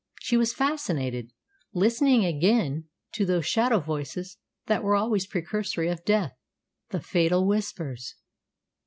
She was fascinated, listening again to those shadow voices that were always precursory of death the fatal Whispers.